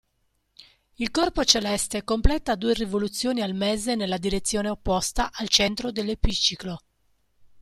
Il corpo celeste completa due rivoluzioni al mese nella direzione opposta al centro dell’epiciclo.